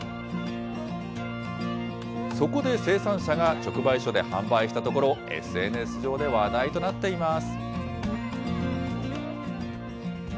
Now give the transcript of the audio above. そこで生産者が直売所で販売したところ、ＳＮＳ上で話題となっています。